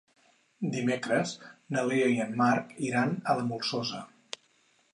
Dimecres na Lea i en Marc iran a la Molsosa.